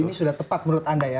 jadi ini sudah tepat menurut anda ya